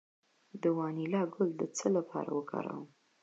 د وانیلا ګل د څه لپاره وکاروم؟